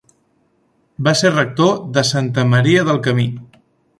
Va ser rector de Santa Maria del Camí.